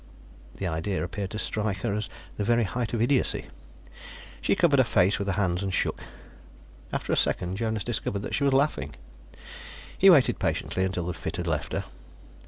The idea appeared to strike her as the very height of idiocy. She covered her face with her hands and shook. After a second Jonas discovered that she was laughing. He waited patiently until the fit had left her.